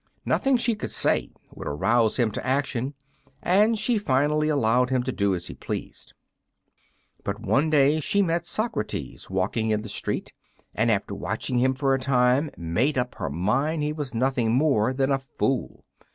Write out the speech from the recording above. Nothing she could say would arouse him to action, and she finally allowed him to do as he pleased. But one day she met Socrates walking in the street, and after watching him for a time made up her mind he was nothing more than a fool.